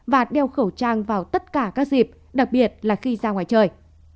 và đeo khẩu trang vào tất cả các dịp đặc biệt là khi ra ngoài trời